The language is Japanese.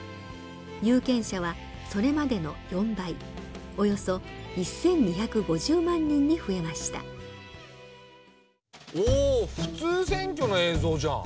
有権者はそれまでの４倍およそ１，２５０万人に増えましたお普通選挙の映像じゃん。